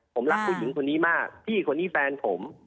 ผมรักผู้หญิงคนนี้มากพี่คนนี้แฟนผม